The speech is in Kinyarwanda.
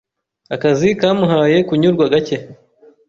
Akazi kamuhaye kunyurwa gake.